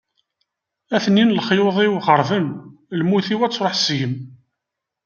A-ten-in lexyuḍ-iw xeṛben, lmut-iw ad truḥ seg-m.